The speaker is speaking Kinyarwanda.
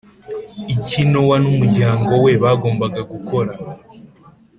iki Nowa n umuryango we bagombaga gukora